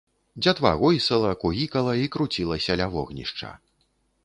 Дзятва гойсала, кугікала і круцілася ля вогнішча.